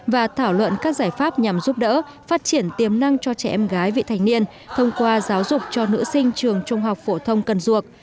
và thảo luận các giải pháp nhằm giúp đỡ phát triển tiềm năng cho trẻ em gái vị thành niên thông qua giáo dục cho nữ sinh trường trung học phổ thông cần duộc